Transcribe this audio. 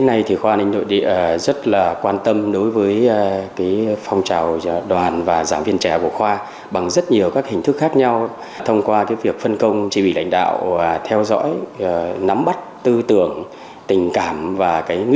ngày hai tháng ba năm hai nghìn hai mươi ba thành viên cốt cán của việt tân gồm huỳnh phạm phương trang